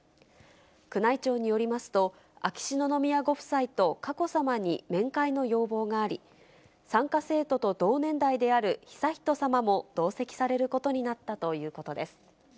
宮内庁によりますと、秋篠宮ご夫妻と佳子さまに面会の要望があり、参加生徒と同年代である悠仁さまも同席されることになったということです。